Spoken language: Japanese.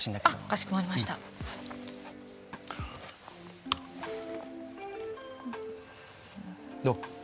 かしこまりましたどう？